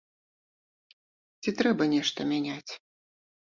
Ці трэба нешта мяняць?